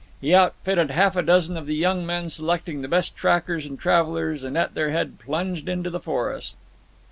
He outfitted half a dozen of the young men, selecting the best trackers and travellers, and at their head plunged into the forest.